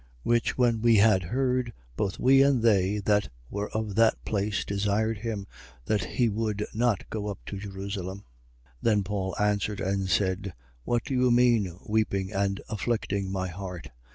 21:12. Which when we had heard, both we and they that were of that place desired him that he would not go up to Jerusalem. 21:13. Then Paul answered and said: What do you mean, weeping and afflicting my heart?